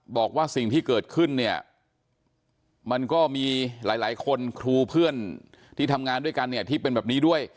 บอกว่าสิ่งที่เกิดขึ้นเนี่ยมันก็มีหลายคนครูเพื่อนที่ทำงานด้วยกันเนี่ยที่เป็นแบบนี้ด้วย